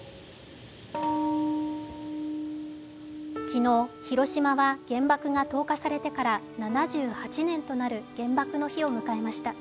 昨日、広島は原爆が投下されてから７８年となる原爆の日を迎えました。